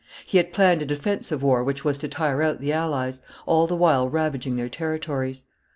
He had planned a defensive war which was to tire out the allies, all the while ravaging their territories.